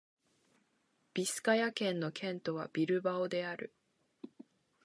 ビスカヤ県の県都はビルバオである